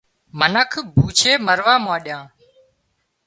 منک ڀوڇي مروا مانڏيان